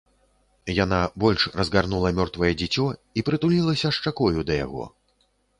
Яна больш разгарнула мёртвае дзіцё і прытулілася шчакою да яго.